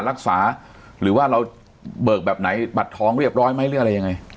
รักษาหรือว่าเราเบิกแบบไหนบัตรทองเรียบร้อยไหมหรืออะไรยังไง